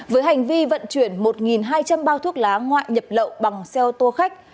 với hành vi vận chuyển một hai trăm linh bao thuốc lá ngoại nhập lậu bằng xe ô tô khách